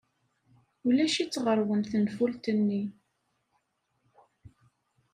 Ulac-itt ɣer-wen tenfult-nni.